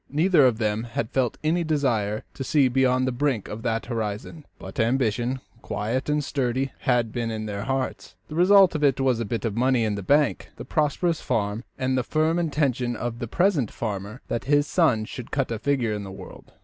Neither of them had felt any desire to see beyond the brink of that horizon; but ambition, quiet and sturdy, had been in their hearts. The result of it was the bit of money in the bank, the prosperous farm, and the firm intention of the present farmer that his son should cut a figure in the world.